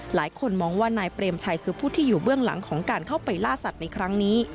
หลายคนมองว่านายเปรมชัยคือผู้ที่อยู่เบื้องหลังของการเข้าไปล่าสัตว์ในครั้งนี้